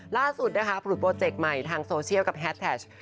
ล่าสุดนะคะผุดโปรเจกต์ใหม่ทางโซเชียลกับแฮดแท็ก